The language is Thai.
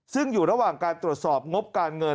ซึ่งอยู่ระหว่างการตรวจสอบงบการเงิน